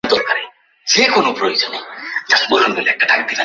এবং তাকে ফিরে পেতে তোমাদের সুচিন্তিত মতামত আমার খুবই প্রয়োজন।